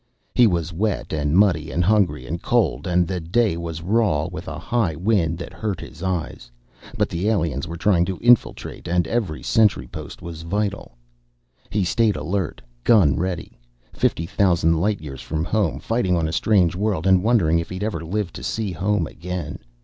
He was wet and muddy and hungry and cold, and the day was raw with a high wind that hurt his eyes. But the aliens were trying to infiltrate and every sentry post was vital. He stayed alert, gun ready. Fifty thousand light years from home, fighting on a strange world and wondering if he'd ever live to see home again.